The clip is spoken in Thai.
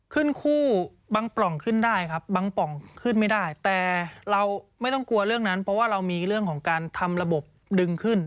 ขึ้นคู่บางปล่องขึ้นได้ครับบางปล่องขึ้นไม่ได้แต่เราไม่ต้องกลัวเรื่องนั้นเพราะว่าเรามีเรื่องของการทำระบบดึงขึ้น